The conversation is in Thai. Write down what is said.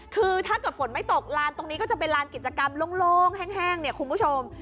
คือถ้าเกิดฝนไม่ตกลานตรงนี้ก็จะเป็นลานกิจกรรมโล่งแห้งเนี่ยคุณผู้ชม